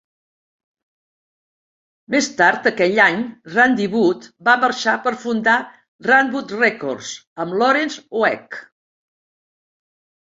Més tard aquell any, Randy Wood va marxar per fundar "Ranwood Records" amb Lawrence Welk.